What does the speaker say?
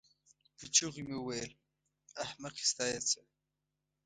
په چيغو مې وویل: احمقې ستا یې څه؟